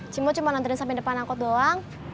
cimo cuma nantrin sampe depan aku doang